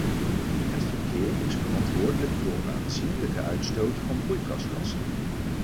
Het verkeer is verantwoordelijk voor een aanzienlijke uitstoot van broeikasgassen.